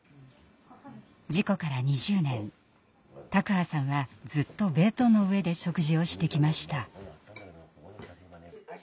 事故から２０年卓巴さんはずっとベッドの上で食事をしてきました。